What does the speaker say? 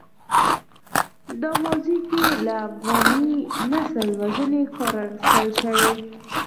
دا ماضي کې له افغاني نسل وژنې کار اخیستل شوی.